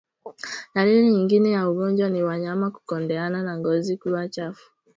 Dalili nyingine ya ugonjwa ni wanyama kukondeana na ngozi kuwa chafu